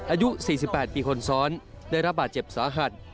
อายุ๔๘ปีคนซ้อนได้รับบาดเจ็บสาหัส